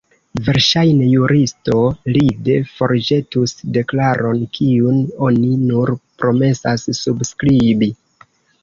Verŝajne juristo ride forĵetus deklaron, kiun oni nur promesas subskribi.